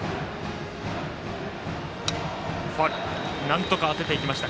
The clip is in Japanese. なんとか当てていきました。